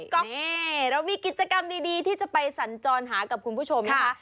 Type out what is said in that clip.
ก็นี่เรามีกิจกรรมดีที่จะไปสัญจรหากับคุณผู้ชมนะคะ